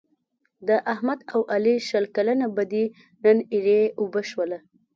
د احمد او علي شل کلنه بدي نن ایرې اوبه شوله.